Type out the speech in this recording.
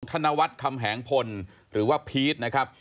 ธนวัฒน์คำแหงพลหรือว่าพีชนะครับ